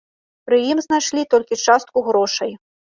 Пры ім знайшлі толькі частку грошай.